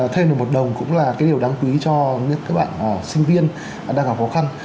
thêm được một đồng cũng là cái điều đáng quý cho các bạn sinh viên đang gặp khó khăn